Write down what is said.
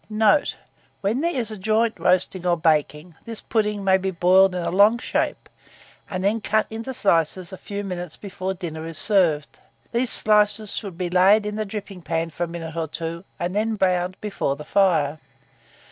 Note. When there is a joint roasting or baking, this pudding may be boiled in a long shape, and then cut into slices a few minutes before dinner is served: these slices should be laid in the dripping pan for a minute or two, and then browned before the fire.